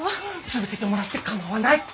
続けてもらって構わない。